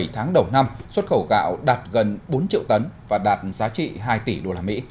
bảy tháng đầu năm xuất khẩu gạo đạt gần bốn triệu tấn và đạt giá trị hai tỷ đô la mỹ